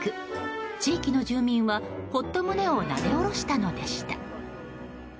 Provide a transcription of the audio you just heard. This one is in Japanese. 地域の住民は、ほっと胸をなで下ろしたのでした。